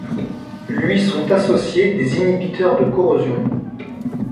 Lui sont associés des inhibiteurs de corrosion.